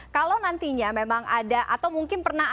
kalau nantinya memang ada atau mungkin pernah ada